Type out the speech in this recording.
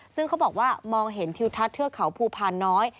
ซึ่งเขาบอกว่ามองเห็นทิวทัศน์เทือกเขาภูพานน้อย